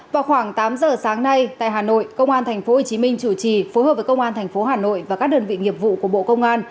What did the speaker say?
vào khoảng tám giờ sáng nay tại hà nội công an tp hcm chủ trì phối hợp với công an tp hà nội và các đơn vị nghiệp vụ của bộ công an